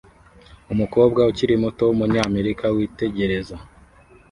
Umukobwa ukiri muto wumunyamerika witegereza